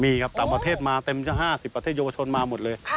มีครับจัดการประเทศมาเต็มเจ้าห้าสิบประเทศโยคชนมาหมดเลย